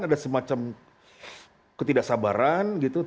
ada semacam ketidak sabaran gitu